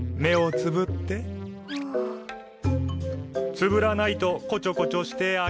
つぶらないとこちょこちょしてあげないよ。